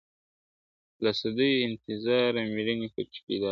له سدیو انتظاره مېړنی پکښي پیدا کړي ..